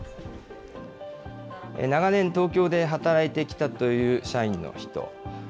長年、東京で働いてきたという社員の人。